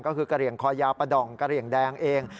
ก็คือกะเหลี่ยงคอยาวประดองกะเหลี่ยงแดงเอง